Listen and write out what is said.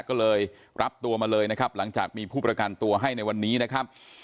ก็เลยรับตัวมาเลยนะครับหลังจากมีผู้ประกันตัวให้ในวันนี้นะครับ